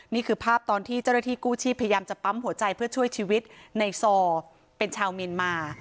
นี่คือภาพตอนที่เจ้าหน้าที่กู้ชีพพยายามจะปั๊มหัวใจเพื่อช่วยชีวิตในซอเป็นชาวเมียนมา